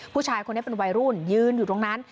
ผู้ชายคนนี้เป็นวัยรุ่นยืนอยู่ตรงนั้น